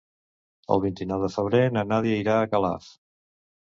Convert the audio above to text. El vint-i-nou de febrer na Nàdia irà a Calaf.